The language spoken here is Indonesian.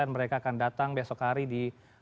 mereka akan datang besok hari di